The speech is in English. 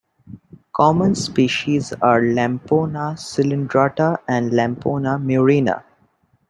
Common species are "Lampona cylindrata" and "Lampona murina".